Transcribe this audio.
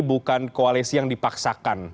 bukan koalisi yang dipaksakan